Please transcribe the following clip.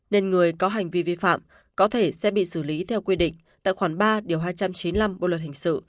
nên người có hành vi vi phạm có thể sẽ bị xử lý theo quy định tại khoản ba điều hai trăm chín mươi năm bộ luật hình sự